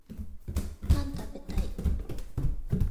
パン食べたい